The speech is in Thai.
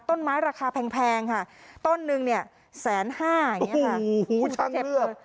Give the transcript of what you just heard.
ราคาแพงค่ะต้นนึงเนี่ยแสนห้าอย่างเงี้ค่ะโอ้โหช่างเลือบ